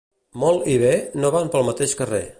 Molt i bé no van pel mateix carrer.